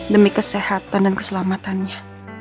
demi kesehatan dan keselamatannya